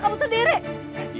dia kayak begitu sendiri